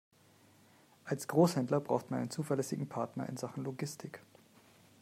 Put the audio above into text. Als Großhändler braucht man einen zuverlässigen Partner in Sachen Logistik.